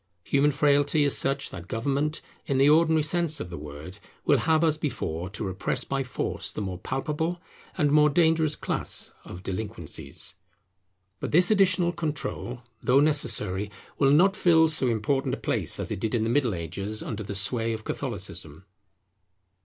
Human frailty is such that Government, in the ordinary sense of the word, will have as before to repress by force the more palpable and more dangerous class of delinquencies. But this additional control, though necessary, will not fill so important a place as it did in the Middle Ages under the sway of Catholicism.